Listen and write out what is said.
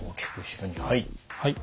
はい。